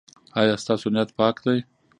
ایا ستاسو نیت پاک دی؟